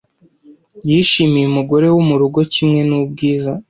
Yishimiye umugore wo murugo kimwe nubwiza,